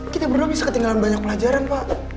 kita berdua bisa ketinggalan banyak pelajaran pak